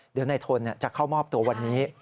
เดี๋ยวนายทนจะเข้ามอบตัววันนี้